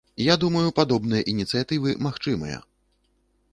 Я думаю, падобныя ініцыятывы магчымыя.